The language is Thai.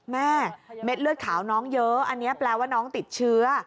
เม็ดเลือดขาวน้องเยอะอันนี้แปลว่าน้องติดเชื้อ